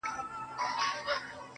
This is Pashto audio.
زموږه دوو زړونه دي تل په خندا ونڅيږي.